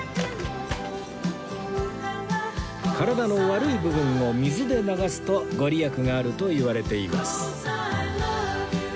体の悪い部分を水で流すと御利益があるといわれています